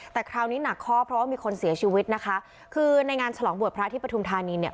แต่คราวนี้หนักข้อเพราะว่ามีคนเสียชีวิตนะคะคือในงานฉลองบวชพระที่ปฐุมธานีเนี่ย